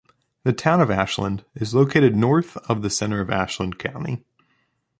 The town of Ashland is located north of the center of Ashland County.